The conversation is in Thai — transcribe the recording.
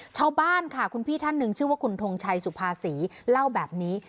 ชาวบ้านค่ะคุณพี่ท่านหนึ่งชื่อว่าคุณทงชัยสุภาษีเล่าแบบนี้